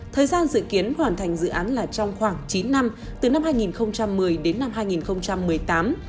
thời gian dự kiến hoàn thành dự án là trong khoảng chín năm từ năm hai nghìn một mươi đến năm hai nghìn một mươi tám